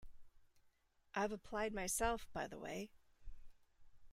I've applied myself, by the way.